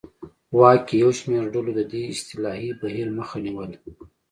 واک کې یو شمېر ډلو د دې اصلاحي بهیر مخه نیوله.